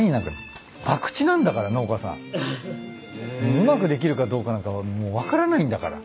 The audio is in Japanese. うまくできるかどうかなんかもう分からないんだから。